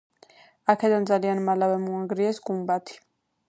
აქედან ძალიან მალევე მოანგრიეს გუმბათი.